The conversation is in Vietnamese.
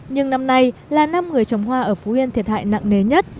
nhưng năm nay là năm người trồng hoa ở phú yên thiệt hại nặng nề nhất